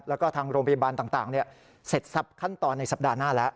แล้วก็ทางโรงพยาบาลต่างเสร็จทรัพย์ขั้นตอนในสัปดาห์หน้าแล้ว